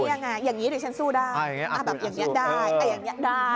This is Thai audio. เนี่ยไงอย่างนี้เดี๋ยวฉันสู้ได้อ่ะแบบอย่างนี้ได้อ่ะอย่างนี้ได้